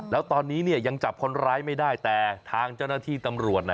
แล้วตอนนี้เนี่ยยังจับคนร้ายไม่ได้แต่ทางเจ้าหน้าที่ตำรวจ